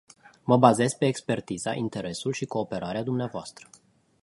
Mă bazez pe expertiza, interesul și cooperarea dvs.